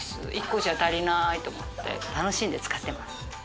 １個じゃ足りないと思って楽しんで使ってます